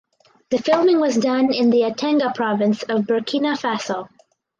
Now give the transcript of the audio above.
The filming was done in the Yatenga Province of Burkina Faso.